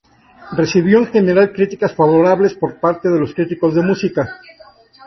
Recibió en general críticas favorables por parte de los críticos de música.